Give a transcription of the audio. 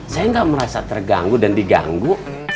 saya nggak merasa terganggu dan diganggu